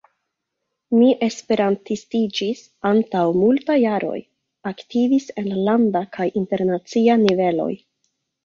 Mi esperantistiĝis antaŭ multaj jaroj, aktivis en la landa kaj internacia niveloj.